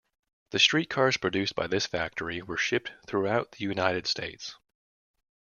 The street cars produced by this factory were shipped throughout the United States.